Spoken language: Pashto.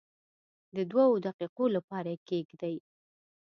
د دوو دقیقو لپاره یې کښېږدئ.